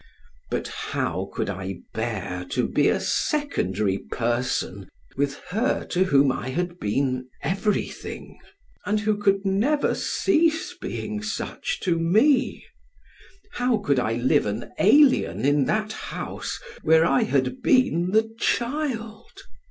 But how could I bear to be a secondary person with her to whom I had been everything, and who could never cease being such to me? How could I live an alien in that house where I had been the child?